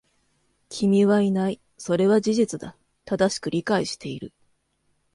君はいない。それは事実だ。正しく理解している。